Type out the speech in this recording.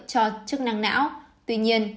cho chức năng não tuy nhiên